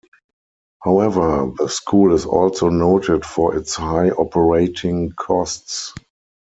However, the school is also noted for its high operating costs.